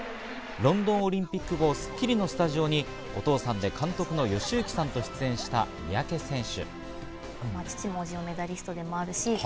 ロンドンオリンピック後『スッキリ』のスタジオにお父さんで監督の義行さんと出演した三宅選手。